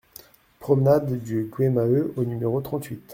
Promenade du Gué Maheu au numéro trente-huit